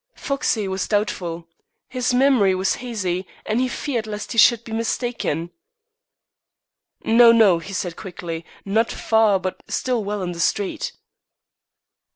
Foxey was doubtful. His memory was hazy, and he feared lest he should be mistaken. "No, no," he said quickly, "not far, but still well in the street."